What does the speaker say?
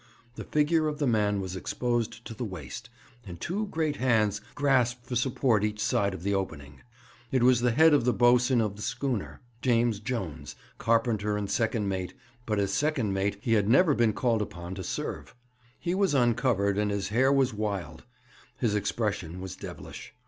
The figure of the man was exposed to the waist, and two great hands grasped for support each side of the opening. It was the head of the boatswain of the schooner, James Jones, carpenter and second mate but as second mate he had never been called upon to serve. He was uncovered, and his hair was wild. His expression was devilish.